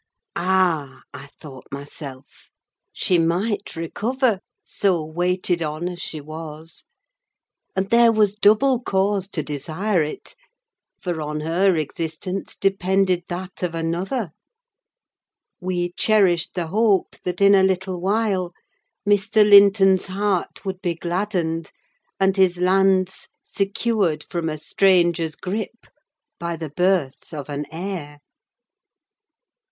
Ah, I thought myself, she might recover, so waited on as she was. And there was double cause to desire it, for on her existence depended that of another: we cherished the hope that in a little while Mr. Linton's heart would be gladdened, and his lands secured from a stranger's gripe, by the birth of an heir.